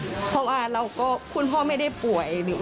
และก็มีการกินยาละลายริ่มเลือดแล้วก็ยาละลายขายมันมาเลยตลอดครับ